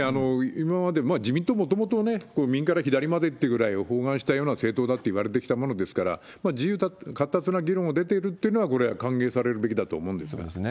今まで、自民党、もともと右から左までっていうぐらい、包含したような政党だっていわれてきたものですから、自由闊達な議論が出ているっていうのは、これ、歓迎されるべきだと思うんでそうですね。